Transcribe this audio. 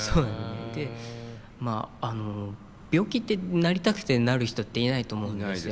で病気ってなりたくてなる人っていないと思うんですよ。